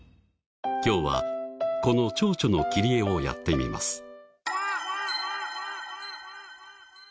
今日はこの蝶々の切り絵をやってみます